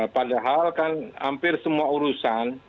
padahal kan hampir semua urusan